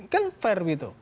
kan fair gitu